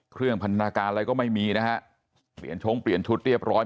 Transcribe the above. พันธนาการอะไรก็ไม่มีนะฮะเปลี่ยนชงเปลี่ยนชุดเรียบร้อย